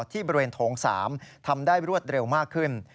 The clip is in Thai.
ที่บริเวณโถง๓ทำได้รวดเร็วมากขึ้น